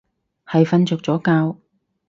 係瞓着咗覺